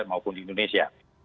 maupun di indonesia